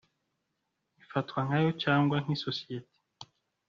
ifatwa nkayo cyangwa nk isosiyete